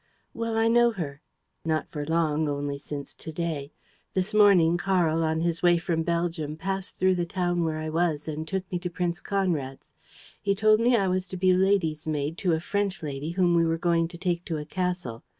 "Well, I know her. Not for long, only since to day. This morning, Karl, on his way from Belgium, passed through the town where I was and took me to Prince Conrad's. He told me I was to be lady's maid to a French lady whom we were going to take to a castle.